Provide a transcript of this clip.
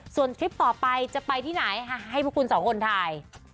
ส่วนคลิปต่อไปจะไปที่ไหนให้พวกคุณสองคนถ่าย